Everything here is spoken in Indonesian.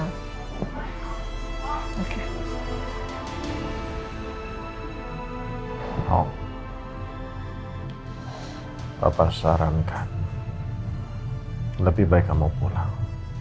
nino papa sarankan lebih baik kamu pulang